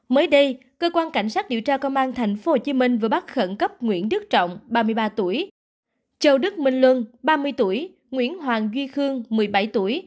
mới đây cơ quan cảnh sát điều tra công an tp hcm vừa bắt khẩn cấp nguyễn đức trọng ba mươi ba tuổi châu đức minh luân ba mươi tuổi nguyễn hoàng duy khương một mươi bảy tuổi